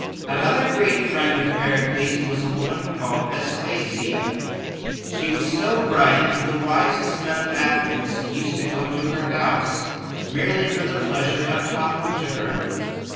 Another great friend of Pericles was a woman called As pa´sia. She was so bright that the wisest men of Athens used to go to her house merely for the pleasure of talking to her.